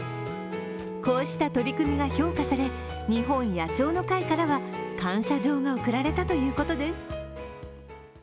こうした取り組みが評価され日本野鳥の会からは感謝状が贈られたということです。